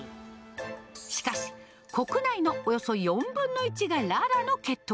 しかし、国内のおよそ４分の１がララの血統。